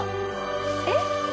えっ？